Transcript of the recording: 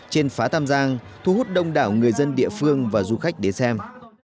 trên phá tam giang thu hút đông đảo người dân địa phương và du khách đến xem